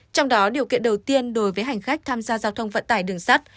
trong đó điều kiện đầu tiên đối với hành khách tham gia giao thông vận tải đường sắt